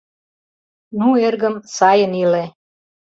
Ну, эргым, сайын иле.